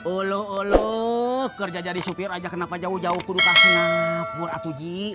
ulu ulu kerja jadi supir aja kenapa jauh jauh keduka singapura tuh ji